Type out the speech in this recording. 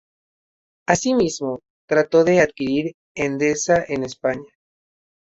Asimismo, trató de adquirir Endesa en España.